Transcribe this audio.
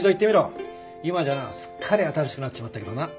今じゃなすっかり新しくなっちまったけどな。